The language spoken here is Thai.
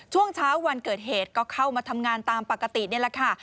ช่วงเช้าวันเกิดเหตุก็เข้ามาทำงานตามปกตินี่แหละค่ะ